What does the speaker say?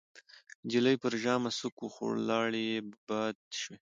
نجلۍ پر ژامه سوک وخوړ، لاړې يې باد شوې.